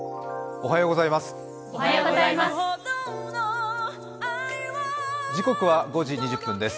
おはようございます。